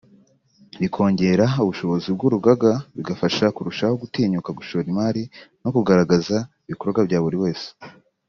rikongera ubushobozi bw’urugaga bigafasha kurushaho gutinyuka gushora imari no kugaragaza ibikorwa bya buri wese